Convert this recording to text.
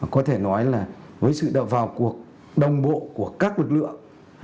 có thể nói là với sự vào cuộc đồng bộ của các lực lượng